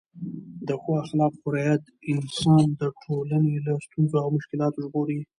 د ښو اخلاقو رعایت انسان د ټولنې له ستونزو او مشکلاتو ژغوري.